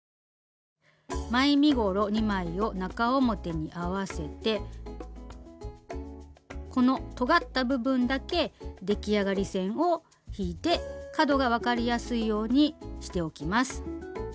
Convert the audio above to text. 前身ごろ２枚を中表に合わせてこのとがった部分だけ出来上がり線を引いて角が分かりやすいようにしておきます。